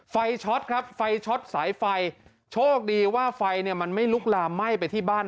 ช็อตครับไฟช็อตสายไฟโชคดีว่าไฟเนี่ยมันไม่ลุกลามไหม้ไปที่บ้าน